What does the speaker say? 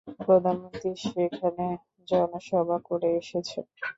প্রধানমন্ত্রী সেখানে জনসভা করে এসেছেন।